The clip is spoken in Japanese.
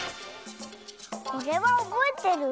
これはおぼえてる？